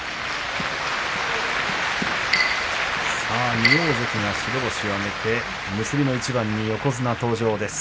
２大関が白星を挙げて結びの一番横綱登場です。